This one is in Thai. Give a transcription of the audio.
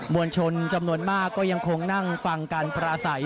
วลชนจำนวนมากก็ยังคงนั่งฟังการปราศัย